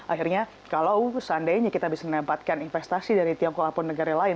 akhirnya kalau seandainya kita bisa mendapatkan investasi dari tiongkok ataupun negara lain